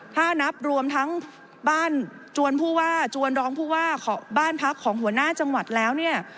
ถ้านับรวมทั้งบ้านจวนผู้ว่าจวนรองผู้ว่าบ้านพักของหัวหน้าจังหวัดแล้วเนี่ย